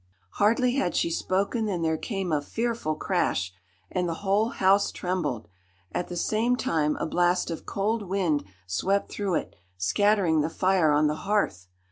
Hardly had she spoken than there came a fearful crash, and the whole house trembled. At the same time a blast of cold wind swept through it, scattering the fire on the hearth.